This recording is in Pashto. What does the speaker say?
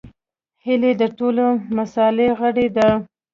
هیلۍ د ټولنې مثالي غړې ده